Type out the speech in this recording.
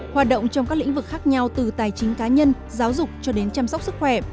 hoạt động trong các lĩnh vực khác nhau từ tài chính cá nhân giáo dục cho đến chăm sóc sức khỏe